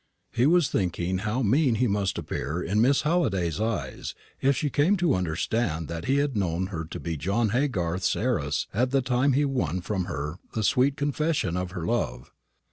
He was thinking how mean he must appear in Miss Halliday's eyes, if she came to understand that he had known her to be John Haygarth's heiress at the time he won from her the sweet confession of her love.